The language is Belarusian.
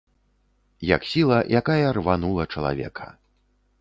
Як сіла якая рванула чалавека.